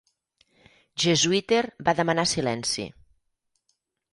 Jesuiter va demanar silenci.